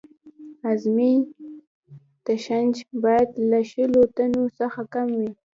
اعظمي تشنج باید له شلو ټنو څخه کم وي